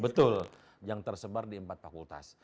betul yang tersebar di empat fakultas